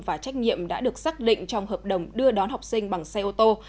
và trách nhiệm đã được xác định trong hợp đồng đưa đón học sinh bằng xe ô tô